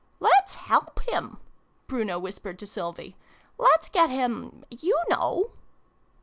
" Let's help him !" Bruno whispered to Sylvie. " Let's get him you know